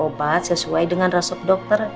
obat sesuai dengan resep dokter